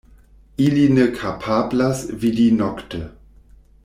Ili ne kapablas vidi nokte.